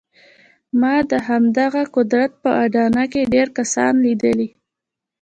ما د همدغه قدرت په اډانه کې ډېر کسان ليدلي.